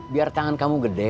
biar tangan kamu gede